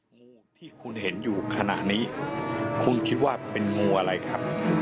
งูที่คุณเห็นอยู่ขณะนี้คุณคิดว่าเป็นงูอะไรครับ